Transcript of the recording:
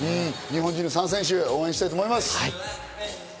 日本人３選手を応援したいと思います。